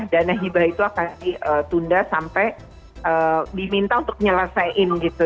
dana hibah itu akan ditunda sampai diminta untuk nyelesaiin gitu